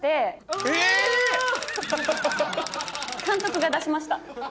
監督が出しました。